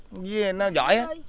với nó giỏi